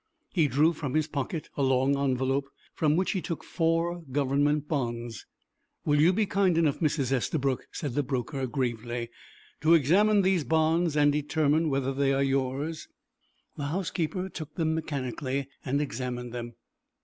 He drew from his pocket a long envelope, from which he took four government bonds. "Will you be kind enough, Mrs. Estabrook," said the broker, gravely, "to examine these bonds and determine whether they are yours?" The housekeeper took them mechanically and examined them.